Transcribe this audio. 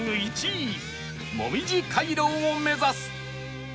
１位もみじ回廊を目指す